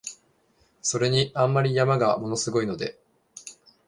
それに、あんまり山が物凄いので、